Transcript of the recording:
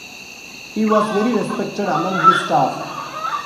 He was very respected among his staff.